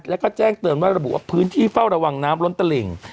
และแจ้งเติมว่าระบุว่าพื้นที่เฝ้าระวัง